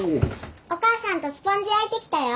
お母さんとスポンジ焼いてきたよ。